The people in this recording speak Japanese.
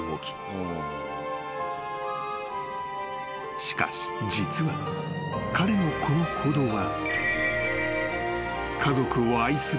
［しかし実は彼のこの行動は］